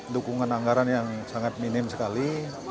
dukungan anggaran yang sangat minim sekali